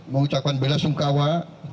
mengucapkan bela sungkawa